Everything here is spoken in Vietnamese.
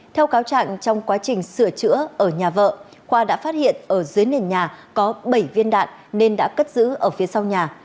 theo cáo trạng trong quá trình sửa chữa ở nhà vợ khoa đã phát hiện ở dưới nền nhà có bảy viên đạn nên đã cất giữ ở phía sau nhà